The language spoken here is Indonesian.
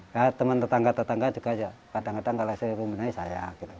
ya teman tetangga tetangga juga kadang kadang kalau saya umurnya saya